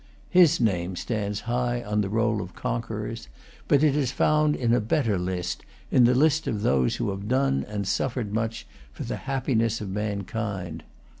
His name stands high on the roll of conquerors. But it is found in a better list, in the list of those who have done and suffered much for the happiness of mankind.